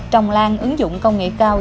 trồng lan ứng dụng công nghệ cao